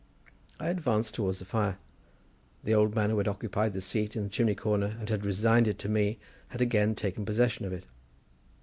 I advanced towards the fire. The old man who had occupied the seat in the chimney corner and had resigned it to me, had again taken possession of it.